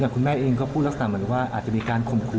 คุณแม่เองก็พูดลักษณะเหมือนว่าอาจจะมีการข่มขู่